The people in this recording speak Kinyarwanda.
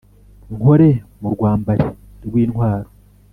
nkore mu rwambari rw' intwaro